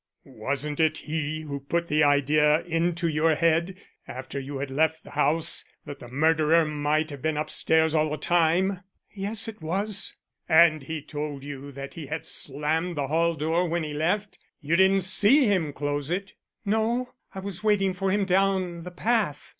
"Wasn't it he who put the idea into your head, after you had left the house, that the murderer might have been upstairs all the time?" "Yes, it was." "And he told you that he had slammed the hall door when he left? You didn't see him close it?" "No, I was waiting for him down the path.